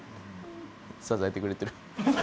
「支えてくれてる」。